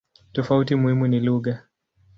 Tofauti muhimu ni lugha.